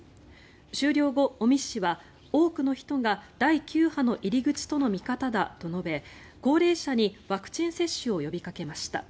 終了後、尾身氏は多くの人が第９波の入り口との見方だと述べ高齢者にワクチン接種を呼びかけました。